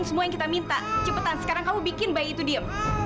sampai jumpa di video selanjutnya